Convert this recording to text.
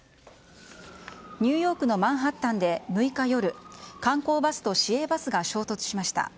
ニューヨークのマンハッタンで６日夜観光バスと市営バスが衝突しました。